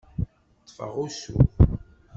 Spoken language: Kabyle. Ṭṭfeɣ usu.